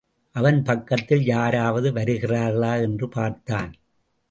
அவன் பக்கத்தில் யாராவது வருகிறார்களா என்று பார்த்தான்.